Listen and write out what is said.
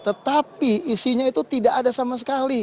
tetapi isinya itu tidak ada sama sekali